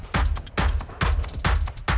kasih tau gue